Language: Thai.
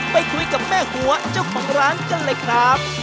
ไปคุยกับแม่หัวเจ้าของร้านกันเลยครับ